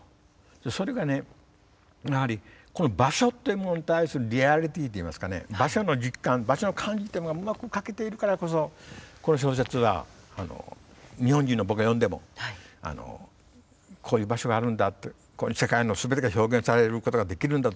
それがねやはりこの場所っていうものに対するリアリティーっていいますかね場所の実感場所の感じっていうものがうまく書けているからこそこの小説が日本人の僕が読んでもこういう場所があるんだって世界のすべてが表現されることができるんだと思えるものがあるんだと。